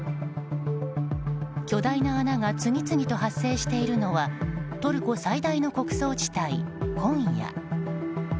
巨大な穴が次々と発生しているのはトルコ最大の穀倉地帯コンヤ。